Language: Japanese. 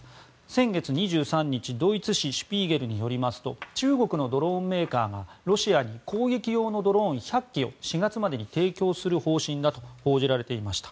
先月２３日、ドイツ紙「シュピーゲル」によりますと中国のドローンメーカーがロシアに攻撃用のドローン１００機を４月までに提供する方針だと報じられていました。